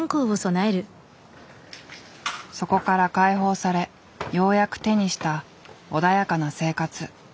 そこから解放されようやく手にした穏やかな生活。